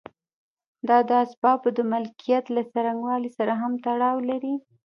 دا د اسبابو د مالکیت له څرنګوالي سره هم تړاو لري.